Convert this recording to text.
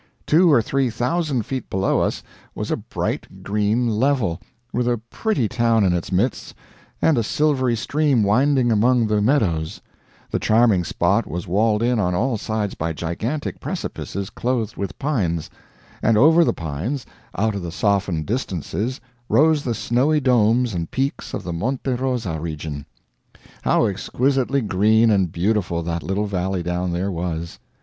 Two or three thousand feet below us was a bright green level, with a pretty town in its midst, and a silvery stream winding among the meadows; the charming spot was walled in on all sides by gigantic precipices clothed with pines; and over the pines, out of the softened distances, rose the snowy domes and peaks of the Monte Rosa region. How exquisitely green and beautiful that little valley down there was!